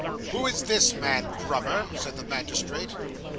'Who is this man, Grummer?' said the magistrate.